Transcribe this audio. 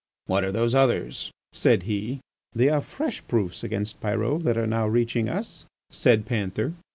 "What are those others?" said he. "They are fresh proofs against Pyrot that are now reaching us," said Panther.